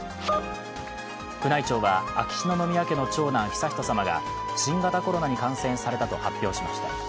宮内庁は秋篠宮家の長男・悠仁さまが新型コロナに感染されたと発表しました。